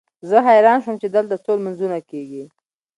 زه حیران شوم چې دلته څو لمونځونه کېږي.